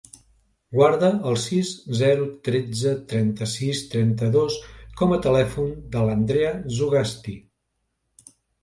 Guarda el sis, zero, tretze, trenta-sis, trenta-dos com a telèfon de l'Andrea Zugasti.